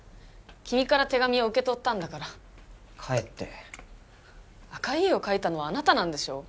君から手紙を受け取ったんだから帰って赤い絵を描いたのはあなたなんでしょ？